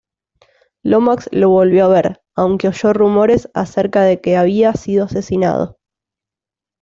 Lomax lo volvió a ver, aunque oyó rumores acerca de que había sido asesinado.